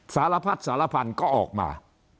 สารพัดสารพันธุ์ก็ออกมา